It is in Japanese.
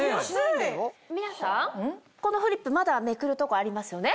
皆さんこのフリップまだめくるとこありますよね？